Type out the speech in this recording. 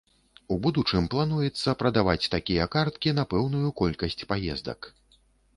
У будучым плануецца прадаваць такія карткі на пэўную колькасць паездак.